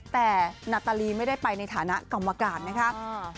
แต่นาตาลีไม่ได้ไปในฐานะกรรมการนะคะ